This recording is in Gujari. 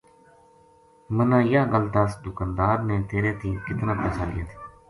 منا یاہ گل دس دکاندار نے تیرے تیں کتنا پیسہ لیا تھا